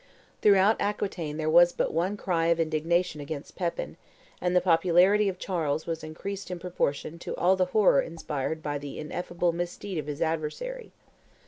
Throughout Aquitaine there was but one cry of indignation against Pepin, and the popularity of Charles was increased in proportion to all the horror inspired by the ineffable misdeed of his adversary.